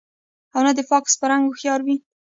او نۀ د فاکس پۀ رنګ هوښيار وي